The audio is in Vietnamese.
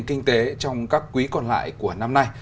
kinh tế trong các quý còn lại của năm nay